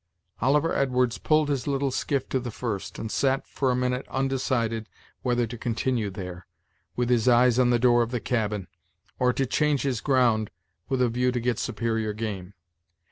Oliver Edwards pulled his little skiff to the first, and sat, for a minute, undecided whether to continue there, with his eyes on the door of the cabin, or to change his ground, with a view to get superior game.